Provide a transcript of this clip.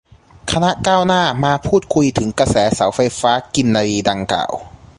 คณะก้าวหน้า มาพูดคุยถึงกระแสเสาไฟฟ้ากินรีดังกล่าว